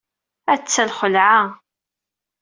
Atta lxelɛa!